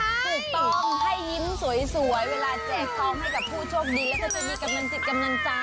ถูกต้องให้ยิ้มสวยเวลาแจกทองให้กับผู้โชคดีแล้วก็จะมีกำลังจิตกำลังใจ